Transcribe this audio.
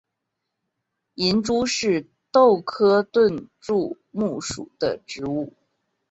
银珠是豆科盾柱木属的植物。